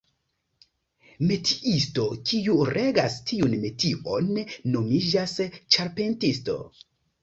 Metiisto, kiu regas tiun metion, nomiĝas ĉarpentisto.